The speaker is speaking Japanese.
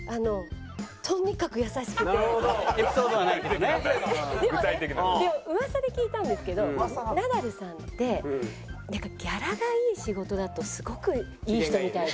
でもねでも噂で聞いたんですけどナダルさんってなんかギャラがいい仕事だとすごくいい人みたいで。